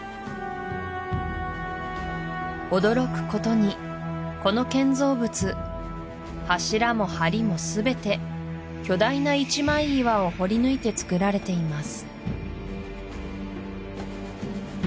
驚くことにこの建造物柱も梁もすべて巨大な一枚岩を掘りぬいてつくられています